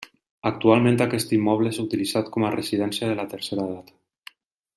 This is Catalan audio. Actualment, aquest immoble és utilitzat com a residència de la tercera edat.